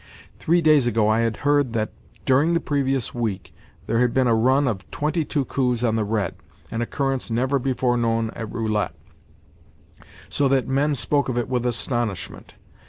Three days ago I had heard that, during the previous week there had been a run of twenty two coups on the red—an occurrence never before known at roulette—so that men spoke of it with astonishment.